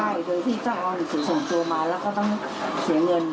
ใช่โดยที่เจ้าอาวาสถึงส่งตัวมาแล้วก็ต้องเสียเงิน